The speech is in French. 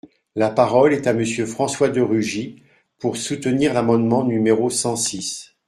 La parole est à Monsieur François de Rugy, pour soutenir l’amendement numéro cent six.